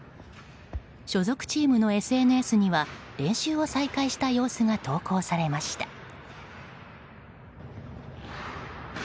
所属チームのＳＮＳには練習を再開した様子が投稿されました。